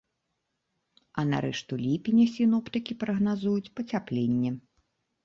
А на рэшту ліпеня сіноптыкі прагназуюць пацяпленне.